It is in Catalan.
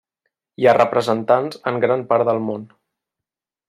Hi ha representants en gran part del món.